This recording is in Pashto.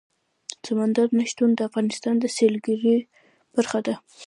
سمندر نه شتون د افغانستان د سیلګرۍ برخه ده.